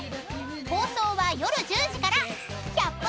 ［放送は夜１０時から１００分